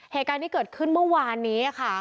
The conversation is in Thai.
เหตุการณ์ที่เกิดขึ้นเมื่อวานนี้ค่ะ